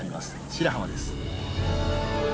白浜です。